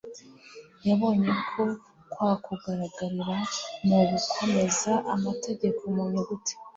Yabonye ko kwa kugaragarira mu gukomeza amategeko mu nyuguti